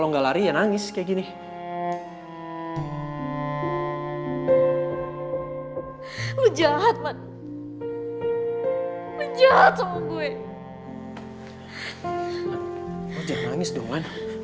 lo malah jahatkan lo sama gue